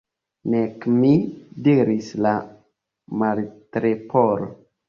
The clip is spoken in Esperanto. "Nek mi," diris la Martleporo.